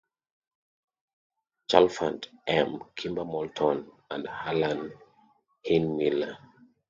Chalfant; M. Kimber Moulton, and Harlan Heinmiller.